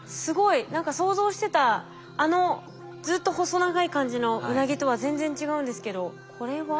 何か想像してたあのずっと細長い感じのウナギとは全然違うんですけどこれは？